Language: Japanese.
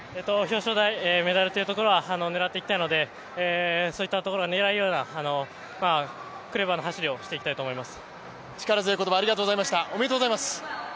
表彰台、メダルということは狙っていきたいので、そういうところが狙えるようなクレバーな走りをしたいと思います。